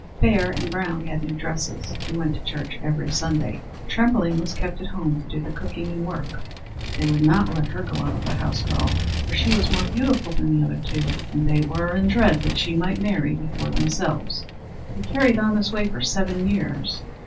Fair and Brown had new dresses, and went to church every Sunday. Trembling was kept at home to do the cooking and work. They would not let her go out of the house at all; for she was more beautiful than the other two, and they were in dread she might marry before themselves. They carried on in this way for seven years.